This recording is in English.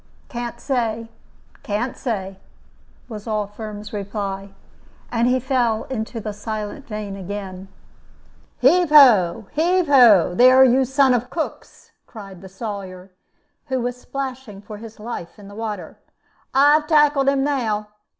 "Can't say, can't say," was all Firm's reply; and he fell into the silent vein again. "Heave ho! heave ho! there, you sons of cooks!" cried the Sawyer, who was splashing for his life in the water. "I've tackled 'un now.